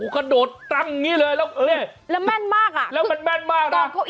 กระโดดตั้งอย่างนี้เลยแล้วแล้วแม่นมาก